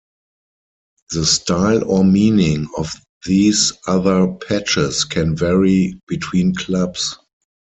The style or meaning of these other patches can vary between clubs.